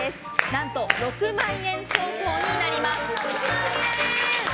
何と６万円相当になります。